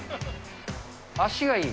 足がいい。